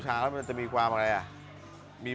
คิกคิกคิกคิกคิกคิกคิก